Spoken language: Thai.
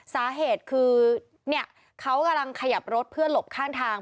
สาเหตุคือเนี่ยเขากำลังขยับรถเพื่อหลบข้างทาง